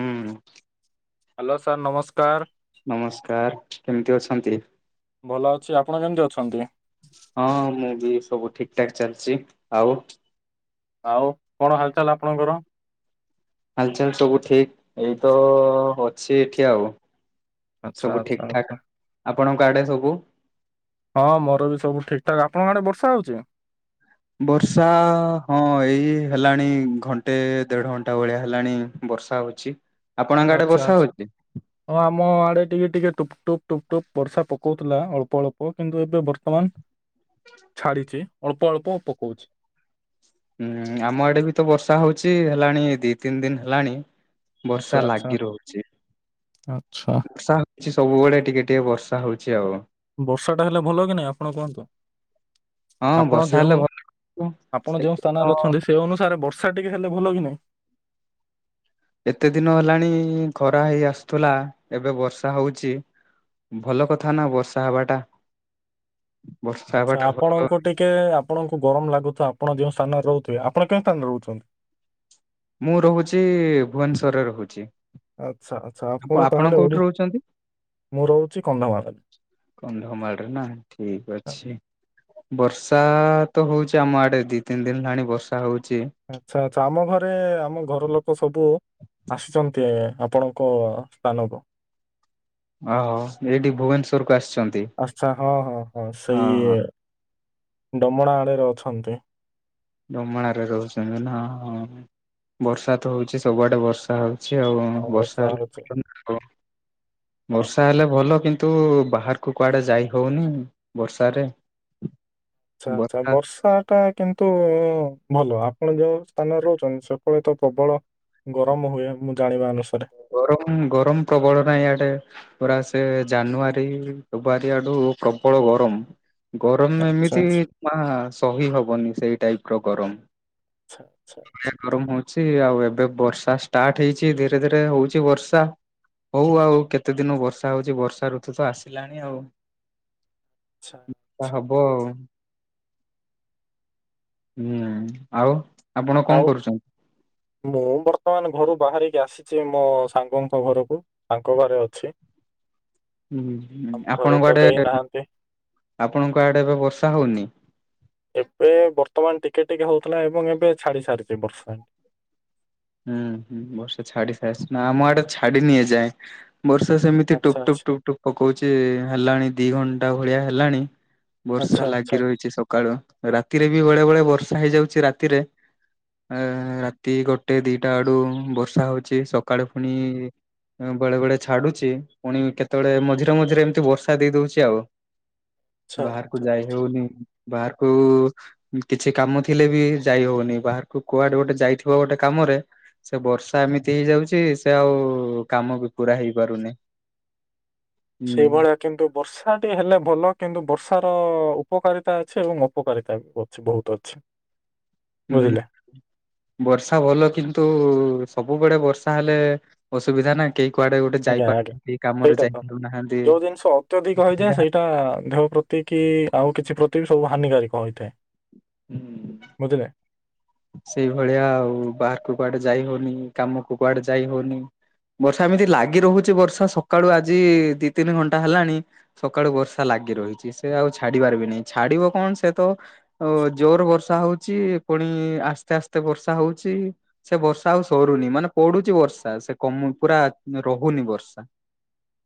ହୁଁ। Hello sir ନମସ୍କାର। ନମସ୍କାର କେମିତି ଅଛନ୍ତି? ଭଲ ଅଛି। ଆପଣ କେମିତି ଅଛନ୍ତି? ହଁ ମୁଁ ବି ସବୁ ଠିକଠାକ୍ ଚାଲିଛି ଆଉ ଆଉ କଣ ହାଲଚାଲ ଆପଣଙ୍କର? ହାଲଚାଲ ସବୁ ଠିକ୍ ଏଇ ତ ଅଛି ଏଠି ଆଉ। ଆଚ୍ଛା ସବୁ ଆଚ୍ଛା ଠିକ ଠାକ୍ ଆଚ୍ଛା। ଆପଣଙ୍କ ଆଡେ ସବୁ? ହଁ ମୋର ବି ସବୁ ଠିକ ଠାକ୍ ଆପଣଙ୍କ ଆଡେ ବର୍ଷା ହଉଛି? ବର୍ଷା ହଁ ଏଇ ହେଲାଣି ଘଣ୍ଟେ ଦେଢ ଘଣ୍ଟା ଭଳିଆ ହେଲାଣି ବର୍ଷା। ଚି। ଆଚ୍ଛା ଆଛା। ହଁ ଆମ ଆଡେ ଟିକେ ଟିକେ ଟୁପ ଟୁପ ଟୁପ ଟୁପ୍ ବର୍ଷା ପକଉଥିଲା ଅଳ୍ପ ଅଳ୍ପ କିନ୍ତୁ ଏବେ ବର୍ତ୍ତମାନ ଛାଡିଛି ଅଳ୍ପ ଅଳ୍ପ ପକଉଛି। ହୁଁ ଆମ ଆଡେ ବି ତ ବର୍ଷା ହଉଚଛି ହେଲାଣି ଦି ତିନି ଦିନ ହେଲାଣି। ଆଚ୍ଛା ବର୍ଷା ଆଚ୍ଛା। ଲାଗି ରହୁଛି ଆଚ୍ଛା ବର୍ଷା କିଛି ସବୁବେଳେ ଟିକେ ଟିକେ ବର୍ଷା ହଉଛି ଆଉ। ବର୍ଷା ଟା ହେଲେ ଭଲ କି ନାଇଁ ଆପଣ କୁହନ୍ତୁ? ହଁ ଆପଣ ବର୍ଷା ହେଲେ ଯେଉଁ ଭଲ। ଆପଣ ଯେଉଁ ସ୍ଥାନରେ ଅଛନ୍ତି ସେ ଅନୁସାରେ ବର୍ଷା ଟିକେ ହେଲେ ଭଲ କି ନାହିଁ? ଏତେ ଦିନ ହେଲାଣି ଖରା ହେଇ ଆସୁଥିଲା ଏବେ ବର୍ଷା ହଉଛି। ଭଲ କଥା ନା ବର୍ଷା ହେବାଟା। ଆଚ୍ଛା ଭଲ ଆପଣଙ୍କୁ ଟିକେ ଆପଣଙ୍କୁ ଗରମ ଲାଗୁଥିବ ଆପଣ ଯୋଉ ସ୍ଥାନରେ ରହୁଥିବେ ଆପଣ କେଉଁ ସ୍ଥାନରେ ରହୁଛନ୍ତି? ମୁଁ ରହୁଛି ଭୁବନେଶ୍ଵରରେ ରହୁଛି। ଆଚ୍ଛା ଆଚ୍ଛା ଆପ ଆପଣ ତାହେଲେ କୋଉଠି ଓଡି ରହୁଛନ୍ତି? ମୁଁ ରହୁଛି କନ୍ଧମାଳରେ। କନ୍ଧମାଳରେ ନା ଠିକ ଅଛି। ବର୍ଷା ତ ହଉଛି ଆମ ଆଡେ ଦି ତିନି ଦିନ ହେଲାଣି ବର୍ଷା ହଉଛି। ଆଚ୍ଛା ଆଛା ଆମ ଘରେ ଆମ ଘର ଲୋକ ସବୁ ଆସିଛନ୍ତି ଆପଣଙ୍କ ସ୍ଥାନକୁ। ଓ ହୋ ଏଇଠି ଭୁବନେଶ୍ଵର କୁ ଆସିଛନ୍ତି ଆଚ୍ଛା ହଁ ହଁ ହଁ ଅ ହ। ସେଇ ହ ଡମଣା ଆଡ଼େରେ ଅଛନ୍ତି। ଡମଣାରେ ରହୁଛନ୍ତି ନା ହଁ ବର୍ଷା ତ ହଉଛି ସବୁଆଡେ ବର୍ଷା ହ ଛି ଆଉ ହଁ ବର୍ଷା ହଉଛି ହେଲେ [inaudible] ଆ ହଁ ବର୍ଷା ହେଲେ ଭଲ କିନ୍ତୁ ବାହାରକୁ କୁଆଡ଼େ ଯାଇ ହଉନି ବର୍ଷାରେ। ହ ଆଚ୍ଛା ଆଛା ବର୍ଷା ଟା କିନ୍ତୁ ଭଲ ଆପଣ ଯୋଉ ସ୍ଥାନରେ ରହୁଛନ୍ତି ସେପଟେ ତ ପ୍ରବଳ ଗରମ ହୁଏ, ମୁଁ ଜାଣିବା ଅନୁସାରେ। ଗରମ ଗରମ ପ୍ରବଳ ନା ଇଆଡେ। ପୁରା ସେ ଜାନୁଆରୀ ଫେବୃଆରୀ ଆଡୁ ପ୍ରବଳ ଗରମ। ଗରମ ଆଚ୍ଛା ଏମିତି ଆଚ୍ଛା ନା ସହି ହବନି ସେଇ ଟାଇପ ର ଗରମ। [inaudible] ଗରମ ହଉଛି ଆଉ, ଏବେ ବର୍ଷା ଷ୍ଟାର୍ଟ ହେଇଛି ଧୀରେ ଧୀରେ ହଉଛି ବର୍ଷା। ହଉ ଆଉ କେତେ ଦିନ ବର୍ଷା ହଉଛି, ବର୍ଷା ଋତୁ ତ ଆସିଲାଣି ଆଉ। ଵ [inaudible] ଆଚ୍ଛା ଆଚ୍ଛା ହବ ଆଉ। ହୁଁ, ଆଉ ଆପଣ ଆଉ କଣ କରୁଛନ୍ତି? ମୁଁ ବର୍ତ୍ତମାନ ଘରୁ ବାହାରିକି ଆସିଛି, ମୋ ସାଙ୍ଗଙ୍କ ଘରକୁ। ତାଙ୍କ ଘରେ ଅଛି। ହୁଁ, ଆମ ଘରେ ଆପଣଙ୍କ ତ ଆଡେ କେହି ନାହାନ୍ତି ଆପଣଙ୍କ ଆଡେ ଏବେ ବର୍ଷା ହଉନି? ଏବେ ବର୍ତ୍ତମାନ ଟିକେ ଟିକେ ହଉଥିଲା ଏବଂ ଏବେ ଛାଡି ସାରିଛି ବର୍ଷା। ହୁଁ, ହୁଁ, ବର୍ଷା ଛାଡ଼ି ସାରିଛି ନା ଆମଆଡେ ଛାଡ଼ି ନି ଏଯାଏ। ବର୍ଷା ସେମିତି ଟୁପ ଆଚ୍ଛା ଟୁପ୍ ଆଚ୍ଛା ଟୁପ ଟୁପ୍ ପକଉଛି, ହେଲାଣି ଦି ଘଣ୍ଟା ଭଳିଆ ହେଲାଣି। ବର୍ଷା ଆଚ୍ଛା ଲାଗି ଆଚ୍ଛା ଆଚ୍ଛା ରହିଛି ସକ ସକାଳୁ ରାତିରେ ବି ବେଳେ ବେଳେ ବର୍ଷା ହେଇଯାଉଛି ରାତିରେ ଏ ରାତି ଗୋ ଗୋଟେ ଦିଟା ଆଡୁ ବର୍ଷା ହଉଛି ସକାଳେ ଫୁଣି ଇ ବେଳେ ବେଳେ ଛାଡୁଛି ପୁଣି କେତେବେଳେ ମଝିରେ ମଝିରେ ଏମିତି ବର୍ଷା ଦେଇ ଦଉଛି ଆଉ। ବାହାରକୁ ଆଚ୍ଛା ଯାଇ ଆଚ୍ଛା ହେଉନି। ବାହାରକୁ କିଛି କାମ ଥିଲେ ବି ଯାଇ ହଉନି ବାହାରକୁ କୁଆଡେ ଗୋଟେ ଯାଇଥିବ ଗୋଟେ କାମରେ ସେ ବର୍ଷା ଏମିତି ହେଇଯାଉଛି ସେ ଆଉ କାମ ବି ପୁରା ହେଇ ପାରୁନି। ସେଇଭଳିଆ। କିନ୍ତୁ ବର୍ଷାଟି ହେଲେ ଭଲ କିନ୍ତୁ ବର୍ଷାର ଉପକାରିତା ଅଛି ଏବଂ ଅପକାରିତା ବି ବହୁତ। ଅଛି ବହୁତ ଅଛି। ବୁଝିଲେ ହୁଁ। ବର୍ଷା ଭଲ, କିନ୍ତୁ ସବୁବେଳେ ବର୍ଷା ହେଲେ ଅସୁବିଧା ନାଇଁ। ଆଜ୍ଞା, ହାଟ, ସେଇଟା ତ ଯାଇପାରୁନାହାନ୍ତି। ଯୋଉ ଜିନିଷ ଅତ୍ୟଧିକ ଅସୁବିଧା ହେଇଯାଏ ସେଇଟା ଦେହ ପ୍ରତି ସେତିକି ଆଉ କିଛି ପ୍ରତିବି ସବୁ ହାନିିକାରିକ ହୋଇଥାଏ। ହୁଁ। ବୁଝିଲେ ସେଇଭଳିଆ ଆଉ ବାହାରକୁ କୁଆଡେ ଯାଇ ହଉନି କାମକୁ କୁଆଡେ ଯାଇ ହଉନି। ବର୍ଷା ଏମିତି ଲାଗି ରହୁଛି ବର୍ଷା ସକାଳୁ ଆଜି ଦି ତିନି ଘଣ୍ଟା ହେଲାଣି। ସକାଳୁ ବର୍ଷା ଲାଗି ରହିଛି ସେ ଆଉ ଛାଡି ବାରବି ନାହିଁ ଛାଡିବ କଣ ସେ ତ ଓ ଜୋର ବର୍ଷା ହଉଚି ପୁଣି ଆସ୍ତେ ଆସ୍ତେ ବର୍ଷା ହଉଚି। ସେ ବର୍ଷା ଆଉ ସରୁନି ମାନେ ପଡୁଛି ବର୍ଷା ସେ କମୁନୁ ପୁରା ରହୁନି ବର୍ଷା।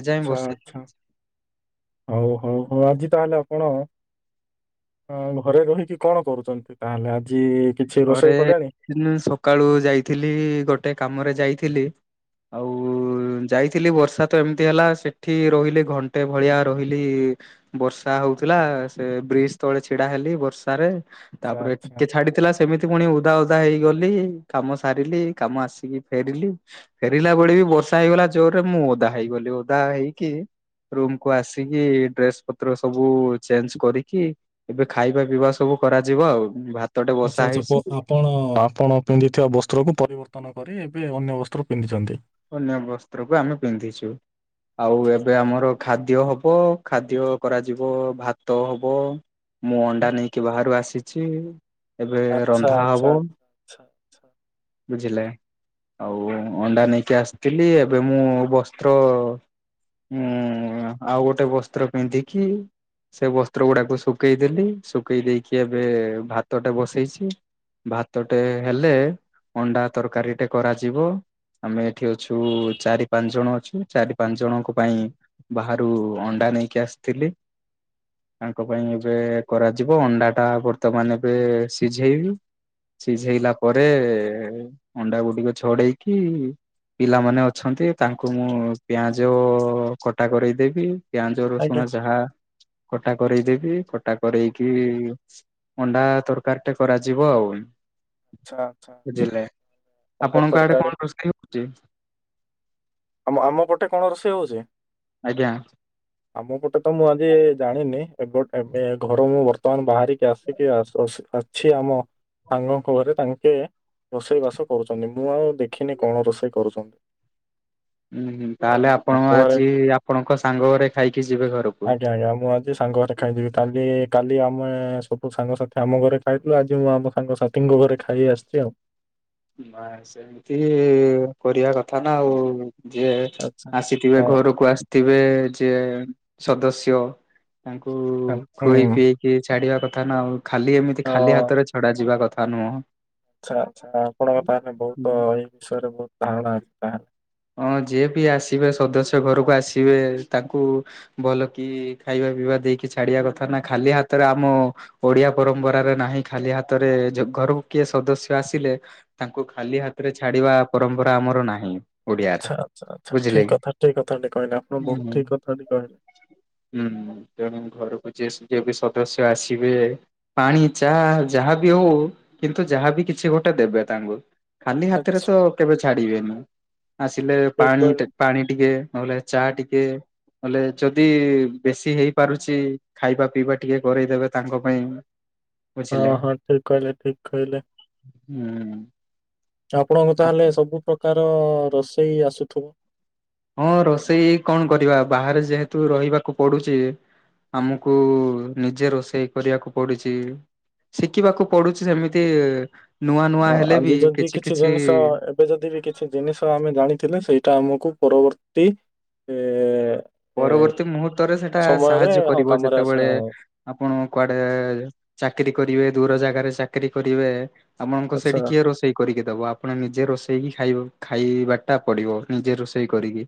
ଏଯାଏଁ ଆଛା, ବର୍ଷା ଆଛା, ହଉ, ହଉ, ହଉ, ଆଜି ତାହେଲେ ଆପଣ ହଁ ଘରେ ରହିକି କଣ କରୁଛନ୍ତି ତାହେଲେ ଆଜି? କିଛି ରୋଷେଇ କଲେଣି? ଘରେନ ସକାଳୁ ଯାଇଥିଲି ଗୋଟେ କାମରେ ଯାଇଥିଲି। ଆଉ ଯାଇଥିଲି ବର୍ଷା ତ ଏମିତି ହେଲା ସେଠି ରହିଲି ଘଣ୍ଟେ ଭଳିଆ ରହିଲି। ବର୍ଷା ହଉଥିଲା ସେ ବ୍ରିଜ୍ ତଳେ ଛିଡା ହେଲି ବର୍ଷାରେ। ଆଚ୍ଛା ତାପରେ ଆଚ୍ଛା। ଟିକେ ଛାଡିଥିଲା। ଏମିତି ପୁଣି ଓଦା ଓଦା ହେଇଗଲି, କାମ ସାରିଲି କାମ ଆସିକି ଫେରିଲି। ଫେରିଲା ବେଳେ ବି ବର୍ଷା ହେଇଗଲା ଜୋରରେ ମୁଁ ଓଦା ହେଇଗଲି ଓଦା ହେଇକି ରୁମକୁୁ ଆସିକି ଡ୍ରେସେ୍ ପତ୍ର ସବୁ ଚେଞ୍ଜେ କରିକି ଏବେ ଖାଇବା ପିଇବା ସବୁ କରାଯିବ ଆଉ ଭାତ ଟେ ଆଚ୍ଛା, ଆଚ୍ଛା ପ ଆପ। କଣ ଆପଣ ପିନ୍ଧିଥିବା ବସ୍ତ୍ରକୁୁ ପରିବର୍ତ୍ତନ କରି ଏବେ ଅନ୍ୟ ବସ୍ତ୍ର ପିନ୍ଧିଛନ୍ତି? ଅନ୍ୟ ବସ୍ତ୍ରକୁ ଆମେ ପିନ୍ଧିଚୁ। ଆଉ ଏବେ ଆମର ଖାଦ୍ୟ ହବ, ଖାଦ୍ୟ କରାଯିବ ଭାତ ହବ। ମୁଁ ଅଣ୍ଡା ନେଇକି ବାହାରୁ ଆସିଛି, ଏବେ ରନ୍ଧା ହବ। ଆଛା ଆଛା। ବୁଝିଲେ ଆଉ ଅଣ୍ଡା ନେଇକି ଆସିଥିଲି ଏବେ ମୁଁ ବସ୍ତ୍ର ହଁ ଆଉ ଗୋଟେ ବସ୍ତ୍ର ପିନ୍ଧିକି ସେ ବସ୍ତ୍ର ଗୁଡାକୁ ଶୁଖେଇ ଦେେଲି ଶୁଖେଇ ଦେଇକି ଏବେ ଭାତଟା ବସେଇଛି। ଭାତ ଟେ ହେଲେ ଅଣ୍ଡା ତରକାରୀ ଟେ କରାଯିବ। ଆମେ ଏଠି ଅଛୁ ଚାରି ପା ଜଣ ଅଛୁ ଚାରି ପା ଜଣଙ୍କ ପାଇଁ ବାହାରୁ ଅଣ୍ଡା ନେଇକି ଆସିଥିଲି। ଆଙ୍କ ପାଇଁ ଏବେ କରାଯିବ ଅଣ୍ଡା ଟା ବର୍ତ୍ତମାନ ଏବେ ସିଝେଇବି। ସିଝେ ଇଲା ପରେ ଅଣ୍ଡା ଗୁଡିକ ଛଡେଇକି ପିଲାମାନେ ଅଛନ୍ତି ତାଙ୍କୁ ମୁଁ ପିଆଁଜ କଟା କରେଇଦେବି। ପିଆଁଜ ଆଜ୍ଞା ରସୁଣ ଯାହା କଟା କରେଇଦେବି କଟା କରରେଇକି ଅଣ୍ଡା ତରକାରୀ ଟେ କରାଯିବ ଆଉ। ଆଛା ଆଛା ଆଛା ବୁଝିଲେ ଅଣ୍ଡା ଆପଣଙ୍କ ଆଡେ କଣ ତରକାରେ। ରୋଷେଇ ହଉଛି ଆମ ଆମ ପଟେ କଣ ରୋଷେଇ ହଉଛି? ଆଜ୍ଞା। ଆମ ପଟେ ତ ମୁଁ ଆଜି ଜାଣିନି ଏପଟ ଏବେ ଘରୁ ମୁଁ ବର୍ତ୍ତମାନ ବାହାରିକି୍ ଆସିକି ଅଛି ଆମ ସାଙ୍ଗଙ୍କ ଘରେ ତାଙ୍କେ ରୋଷେଇ ବାସ କରୁଛନ୍ତି ମୁଁ ଆଉ ଦେଖିନି କଣ ରୋଷେଇ କରୁଛନ୍ତି। ଉଁ ହୁଁ ତାହେଲେ ଆପଣ ତାଙ୍କ ଘରେ ଆଜି ଆପଣଙ୍କ ସାଙ୍ଗ ଘରେ ଖାଇକି ଯିବେ ଘରକୁ। ଆଜ୍ଞା ଆଜ୍ଞା ମୁଁ ଆ ଏସାଙ୍ଗ ଘରେ ଖାଇଯିବି କାଲି କାଲି ଆମେ ସବୁ ସାଙ୍ଗସାଥି ଆମ ଘରେ ଖାଇଥିଲୁ ଆଜି ମୁଁ ଆମ ସାଙ୍ଗସାଥିୀଙ୍କ ଘରେ ଖାଇ ଖାଇକି ଆସିଛି ଆଉ। ବାସ୍ ସେମିତି କରିବା କଥା ନା ଆଉ। ଯିଏ ଆଚ୍ଛା ଆସିଥିବେ ହଁ ହଁ, ଘରକୁ ଆସିଥିବେ ଯିଏ ସଦସ୍ୟ। ତାଙ୍କୁ ହୁଁ ଖୁଏଇ ପିଏଇକି ଛାଡିବା କଥା ନା ଆଉ ଖାଲି ଏମିତି ହଁ ଖାଲି ହାତରେ ଛଡ଼ା ଯିବା କଥା ନୁହଁ। ଆଚ୍ଛା ଆଚ୍ଛା ଆପଣଙ୍କ ତାହାନେ ବହୁତ ହୁଁ। ଏଇ ବିଷୟରେ ବହୁତ ଧାରଣା ଅଛି ତାହାନେ। ହଁ ଯିଏ ପି ଆସିବେ ସଦସ୍ୟ ଘରକୁ ଆସିବେ ତାଙ୍କୁ ଭଲ କି ଖାଇବା ପିଇବା ଦେଇକି ଛାଡିବା କଥା ନା ଖାଲି ହାତରେ ଆମ ଓଡିଆ ପରମ୍ପରାରେ ନାହିଁ ଖାଲି ହାତରେ ଜ ଘରକୁ କିଏ ସଦସ୍ୟ ଆସିଲେ ତାଙ୍କୁ ଖାଲି ହାତରେ ଛାଡିବା ପରମ୍ପରା ଆମର ନାହିଁ। ଓଡିଆରେ ଆଛା ଆଛା ବୁଝିଲେ ଠିକ କି? କଥା ଠିକ କଥା କହିଲେ ଆପଣ ହୁଁ ବୋହୁତ ଠିକ କଥା କହିଲେ। ହୁଁ ତେଣୁ ଘରକୁ ଯିଏ ଯିଏ ବି ସଦସ୍ୟ ଆସିବେ ପାଣି ଚାହା ଯାହାବି ହଉ କିନ୍ତୁ ଯାହାବି କିଛି ଗୋଟେ ଦେବେ ତାଙ୍କୁ। ଖାଲି ହାତରେ ଆଚ୍ଛା ତ କେବେ ଛାଡିବେନି। ଆସିଲେ ଠିକ ପାଣି କହିଲେ ଟେ ପାଣି ଟିକେ ନହେଲେ ଚା ଟିକେ। ନହେଲେ ଯଦି ବେଶୀ ହେଇ ପାରୁଚି ଖାଇବା ପିଇବା ଟିକେ କରେଇଦେବେ ତାଙ୍କ ପାଇଁ। ହଁ ବୁଝିଲେ ହଁ ଠିକ କହିଲେ ଠିକ କହିଲେ। ହୁଁ। ତ ଆପଣଙ୍କୁ ତାହେଲେ ସବୁ ପ୍ରକାର ରୋଷେଇ ଆସୁଥିବ? ହଁ ରୋଷେଇ କଣ କରିବା ବାହାରେ ଯେହେତୁ ରହିବାକୁ ପଡୁଚି ଆମକୁ ନିଜେ ରୋଷେଇ କରିବାକୁ ପଡୁଚି। ଶିଖିବାକୁ ପଡୁଚି ସେମିତି ନୂଆ ନୂଆ ଅ, ହେଲେ ବି ଆଜି ଯଦି କିଛି କିଛି ଜିନିଷ ଏବେ ଯଦି ବି କିଛି ଜିନିଷ ଆମେ ଜାଣିଥିଲେ ସେଇଟା ଆମକୁ ପରବର୍ତ୍ତୀ ଏ ଏ, ପରବର୍ତ୍ତୀ ମୁହୂର୍ତ୍ତରେ ସେଟା ସମୟରେ ସାହାଯ୍ୟ ହଁ କରିବ କାମରେ ଆସ ଯେତେବେଳେ ହଁ, ଆପଣ କୁଆଡେ ଚାକିରୀ କରିବେ ଦୂର ଜାଗାରେ ଚାକିରୀ କରିବେ। ଆପଣଙ୍କୁ ଆଚ୍ଛା ସେଠି କିଏ ରୋଷେଇ କରିକି ଦବ ଆପଣ ନିଜେ ରୋଷେଇକି ଖାଇ ଖାଇବାଟା ପଡିବ ନିଜେ ରୋଷେଇ କରିକି।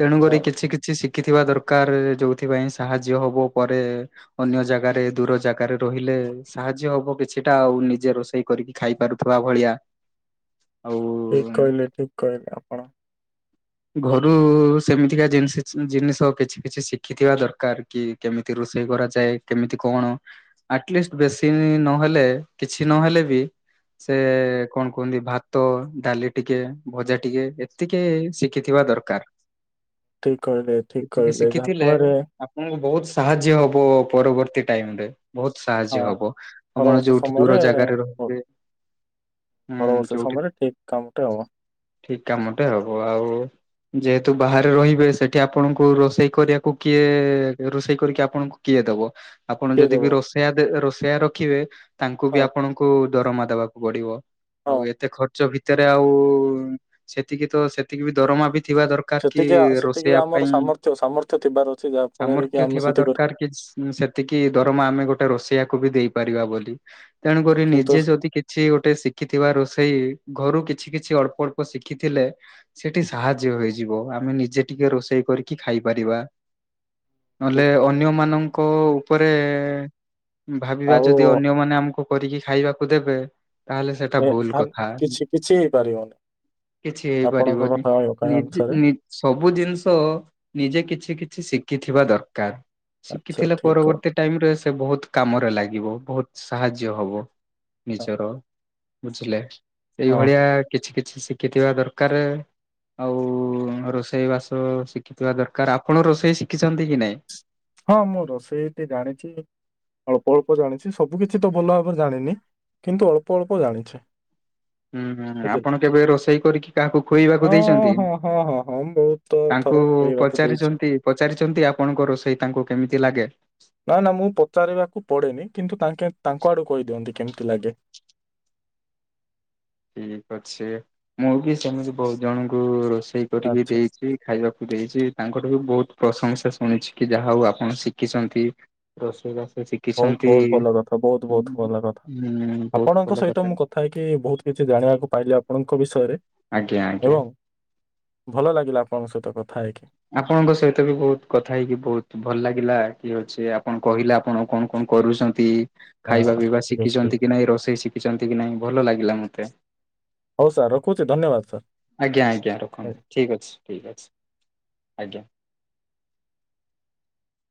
ତେଣୁକରି ହଁ କିଛି କିଛି ଶିଖିଥିବା ଦରକାର ଯୋଉଥିପାଇଁ ସାହାଯ୍ୟ ହବ ପରେ ଅନ୍ୟ ଜାଗାରେ ଦୂର ଜାଗାରେ ରହିଲେ ସାହାଯ୍ୟ ହବ କିଛିଟା ଆଉ ନିଜେ ରୋଷେଇ କରିକି ଖାଇ ପାରୁଥିବା ଭଳିଆ ଠିକ ଆଉ କହିଲେ ଠିକ କହିଲେ ଆପ ଘରୁ ସେମିତିକା ଜିନିଷ ଚି ଜିନିଷ କିଛି କିଛି ଶିଖିଥିବା ଦରକାର କି କେମିତି ରୋଷେଇ କରାଯାଏ କେମିତି କଣ ଆଟଲିଷ୍ଟ ବେଶୀ ନହେଲେ କିଛି ନହେଲେ ବି ସେ କଣ କୁହନ୍ତି ଭାତ ଡାଲି ଟିକେ ଭଜା ଟିକେ ଏତିକି ଶି ଖିଥିବା ଦରକାର। ଠିକ କହିଲେ ଠିକ ଏତିକି କହିଲେ ଶିଖିଥିଲେ ଯାହାଫଳରେ ଆପଣଙ୍କୁ ବହୁତ ସାହାଯ୍ୟ ହବ ପରବର୍ତ୍ତୀ ଟାଇମ୍ ରେ। ବହୁତ ସାହାଯ୍ୟ ହଁ ହବ ଆପଣ ପରବର୍ତ୍ତୀ ଯୋଉଠି ସମୟରେ ଦୂର ଜାଗାରେ ପ- ରହିବେ ଉଁ ପରବର୍ତ୍ତୀ ଯୋଉଠି ସମୟରେ ଠିକ କାମଟେ ହବ। ଠିକ କାମଟେ ହବ ଆଉ ଯେହେତୁ ବାହାରେ ରହିବେ ସେଟ ସେଠି ଆପଣଙ୍କୁ ରୋଷେଇ କରିବାକୁ କିଏ ରୋଷେଇ କରିକି ଆପଣଙ୍କୁ କିଏ ଦବ। ଆପଣ କିଏ ଯଦି ଦେବ ବି ରୋଷେଇଆ ଦେ ରୋଷେଇଆ ରଖିବେ ତାଙ୍କୁ ହଁ ବି ଆପଣଙ୍କୁ ଦରମା ଦବାକୁ ପଡିବ। ହଁ ଆଉ ଏତେ ଖର୍ଚ୍ଚ ଭିତରେ ଆଉ ସେତିକି ତ ସେତିକି ବି ଦରମା ବି ଥିବା ଦର କାର କି ସେତିକି ଆ- ସେତିକି ରୋଷେଇବା ଆମର ପାଇଁ ସାମର୍ଥ୍ୟ ସାମର୍ଥ୍ୟ ଥିବାର ଅଛି ଯାହାଫଳରେ କି ସାମର୍ଥ୍ୟ ଆମେ ଥିବା ସେତିକି କରୁ। ଦରକାର କିଛି ଉଁ ସେତିକି ଦରମା ଆମେ ଗୋଟେ ରୋଷେଇଆକୁ ବି ଦେଇପାରିବା ବୋଲି ତେଣୁକରି କିନ୍ତୁ ନିଜେ ଯଦି କିଛି କିଛି ଗୋଟେ ଶିଖିଥିବା ରୋଷେଇ ଘରୁ କିଛି କିଛି ଅଳ୍ପ ଅଳ୍ପ ଶିଖିଥିଲେ ସେଠି ସାହାଯ୍ୟ ହେଇଯିବ ଆମେ ନିଜେ ଟିକେ ରୋଷେଇ କରିକି ଖାଇ ପାରିବା ନହେଲେ ଠିକ ଅନ୍ୟ ମାନଙ୍କ ଙ୍କ ଉପରେ ଭାବିବା ଆଉ ଯଦି ଅନ୍ୟ ମାନେ ଆମକୁ କରିକି ଖାଇବାକୁ ଦେବେ ତାହେଲେ ସେଟା ଏ ଭୁଲ ଆ- କଥା। କିଛି କିଛି ହେଇପାରିବନି କିଛି ଆପଣଙ୍କ ହେଇପାରିବନି କଥା ଅଳକା ନିଜ ଅନୁସାରେ ନି ସବୁ ଜିନିଷ ନିଜେ କିଛି କିଛି ଶିଖିଥିବା ଦରକାର। ଆଚ୍ଛା ଶିଖିଥିଲେ ଠିକ୍ କହିଲେ ପରବର୍ତ୍ତୀ ଟାଇମ ରେ ସେ ବହୁତ କାମରେ ଲାଗିବ ବହୁତ ସାହାଯ୍ୟ ହବ ହଁ। ନିଜର। ବୁଝିଲେ ହଁ, ହଁ, ଏଇଭଳିଆ କିଛି କିଛି ଶ ଶିଖିଥିବା ଦରକାର ଆଉ ରୋଷେଇ ରୋଷେଇ ବାସ ଶିଖିଥିବା ଦରକାର ଆପଣ ରୋଷେଇ ଶିଖିଛନ୍ତି କି ନାଇଁ? ହଁ ମୁଁ ରୋଷେଇଟି ଜାଣିଛି। ଅଳ୍ପ ଅଳ୍ପ ଜାଣିଛି ସବୁ କିଛି ତ ଭଲ ଭାବରେ ଜାଣିନି କିନ୍ତୁ ଅଳ୍ପ ଅଳ୍ପ ଜାଣିଛି। ହୁଁ ହୁଁ ବୁଝିଲେ। ଆପଣ କେବେ ରୋଷେଇ କରିକି କାହାକୁ ଖୋ ଇବାକୁ ହଁ, ଦେଇଛନ୍ତି? ହଁ, ହଁ, ହଁ, ହଁ ମୁଁ ବହୁତ ଥର ତାଙ୍କୁ କହିବାକୁ ଦେଇଛି। ପଚାରିଛନ୍ତି ପଚାରିଛନ୍ତି ଆପଣଙ୍କର ରୋଷଇ ତାଙ୍କୁ କେମିତି ଲାଗେ? ନା ନା ମୁଁ ପଚାରିବାକୁ ପଡେନି କିନ୍ତୁ ତାଙ୍କେ ତାଙ୍କ ଆଡୁ କହିଦିଅନ୍ତି କେମିତି ଲାଗେ। ଠିକ ଅଛି ମୁଁ ବି ସେମିତି ବହୁତ ଜଣଙ୍କୁ ରୋଷେଇ କରିକି ଆଚ୍ଛା ଦେଇଛି। ଖାଇବାକୁ ଦେଇଛି ତାଙ୍କଠୁ ବି ବହୁତ ପ୍ରଶଂସା ଶୁଣିଛି କି ଯାହା ହଉ ଆପଣ ଶିଖିଛନ୍ତି। ରୋଷନ ଗାସନିକ [unintelligible] ବହୁତ ବହୁତ ଭଲ କଥା ବହୁତ ବହୁତ ଭଲ କଥା ହୁଁ ବହୁତ ଭଲ ଆପଣଙ୍କ ସହିତ କଥା। ମୁଁ କ ଥାା ହେଇକିି ବହୁତ କିଛି ଜାଣିବାକୁ ପାଇଲି ଆପଣଙ୍କ ବିଷୟରେ। ଆଜ୍ଞା ଆଜ୍ଞା। ଏବଂ ଭଲ ଲାଗିଲା ଆପଣଙ୍କ ସହିତ କଥା ହେଇକି। ଆପଣଙ୍କ ସହିତ ବି ବହୁତ କଥା ହେଇକି ବହୁତ ଭଲ ଲାଗିଲା କି ଅଛି ଆପଣ କହିଲେ ଆପଣ କଣ କଣ କରୁଛନ୍ତି। ହଁ ଖାଇବା ହଁ, ପିଇବା ଠିକ୍ ଅଛି ଠିକ୍ ଅଛି। ଶିଖିଛନ୍ତି କି ନାଇଁ ରୋଷେଇ ଶିଖିଛନ୍ତି କି ନାଇଁ ଭଲ ଲାଗିଲା ମତେ। ହଉ ସାର୍ ରଖୁଛି ଧନ୍ୟବାଦ ସାର୍। ଆଜ୍ଞା ଆଜ୍ଞା ରଖନ୍ତୁ ଠିକ୍ ଅଛି ଠିକ୍ ଅଛି ଆଜ୍ଞା।